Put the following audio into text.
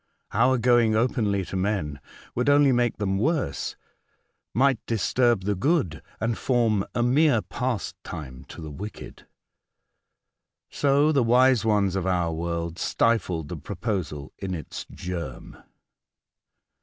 A Strange Proposal, 91 Our going openly to men would only make them worse — might disturb the good and form a mere pastime to the wicked." So the wise ones of our world stifled the proposal in its germ.